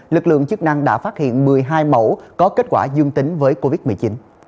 lực lượng chức năng đã phát hiện một mươi hai mẫu có kết quả dương tính với covid một mươi chín